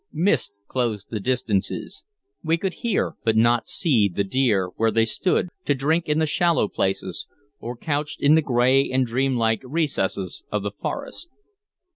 Mist closed the distances; we could hear, but not see, the deer where they stood to drink in the shallow places, or couched in the gray and dreamlike recesses of the forest.